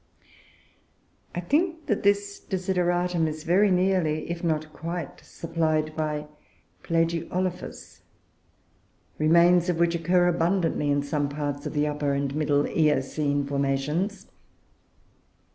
I think that this desideratum is very nearly, if not quite, supplied by Plagiolophus, remains of which occur abundantly in some parts of the Upper and Middle Eocene formations.